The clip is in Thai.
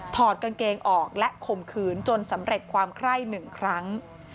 ถอดกางเกงออกและข่มขืนจนสำเร็จความไคร้๑ครั้ง